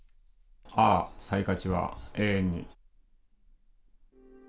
「ああサイカチは永遠に」。